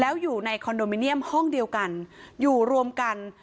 แล้วอยู่ในคอนโดมิเนียมห้องเดียวกันอยู่รวมกัน